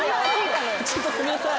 ちょっとごめんなさい。